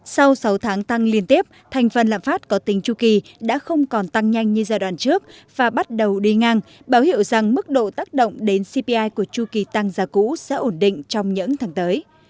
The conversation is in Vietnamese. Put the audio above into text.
sau sáu tháng tăng liên tiếp thành phần lạm phát có tính tru kỳ đã không còn tăng nhanh như giai đoạn trước và bắt đầu đi ngang báo hiệu rằng mức độ tác động đến cpi của chu kỳ tăng giá cũ sẽ ổn định trong những tháng tới